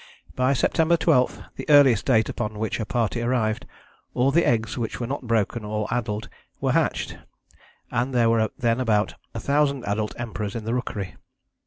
By September 12, the earliest date upon which a party arrived, all the eggs which were not broken or addled were hatched, and there were then about a thousand adult Emperors in the rookery.